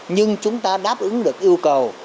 nhưng chúng ta đáp ứng được yêu cầu